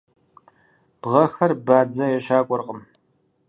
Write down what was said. Бгъэхэр бадзэ ещакӏуэркъым.